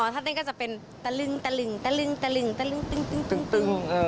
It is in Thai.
อ๋อถ้าเต้นก็จะเป็นตะลึงตะลึงตึง